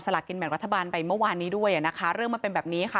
ลากินแบ่งรัฐบาลไปเมื่อวานนี้ด้วยอ่ะนะคะเรื่องมันเป็นแบบนี้ค่ะ